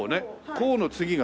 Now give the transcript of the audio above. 甲の次が？